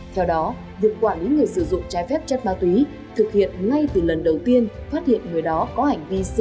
theo đó việc quản lý người sử dụng trái phép chất ma túy thực hiện ngay từ lần đầu tiên phát hiện người đó có hành vi sử dụng